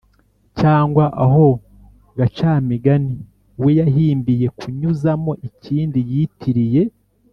cyangwa aho Gacamigani we yahimbiye kunyuzamo ikindi yitiriye